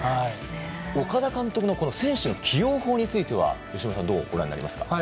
岡田監督の選手の起用法については由伸さん、どうご覧になりますか。